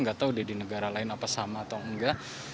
nggak tahu dia di negara lain apa sama atau enggak